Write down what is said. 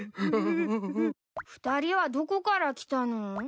２人はどこから来たの？